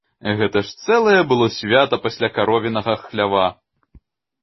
Гэта ж цэлае было свята пасля каровінага хлява.